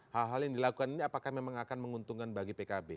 hal hal yang dilakukan ini apakah memang akan menguntungkan bagi pkb